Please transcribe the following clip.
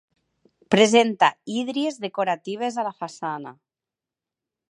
Presenta hídries decoratives a la façana.